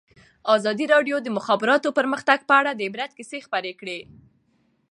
ازادي راډیو د د مخابراتو پرمختګ په اړه د عبرت کیسې خبر کړي.